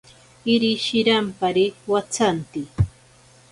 Iri shirampari watsanti.